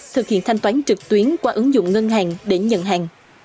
thực hiện thanh toán trực tuyến qua ứng dụng ngân hàng để nhận hàng